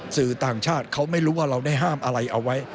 สื่อต่างชาติเขาไม่รู้ว่าเราได้ห้ามอะไรเอาไว้